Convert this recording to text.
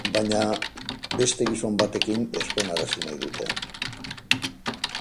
Baina beste gizon batekin ezkonarazi nahi dute.